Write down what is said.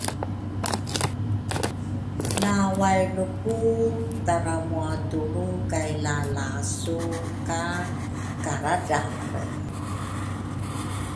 lawailuku taramuatulru kay lalasu ka karadrare.